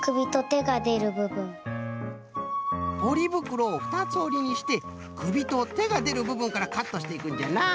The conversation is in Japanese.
ポリぶくろをふたつおりにしてくびとてがでるぶぶんからカットしていくんじゃな。